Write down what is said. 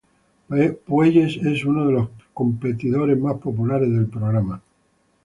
Puelles es uno de los competidores más populares del programa.